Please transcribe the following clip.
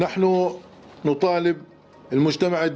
kami meminta masyarakat